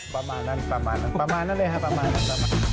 ประมาณนั้นเลยครับประมาณนั้น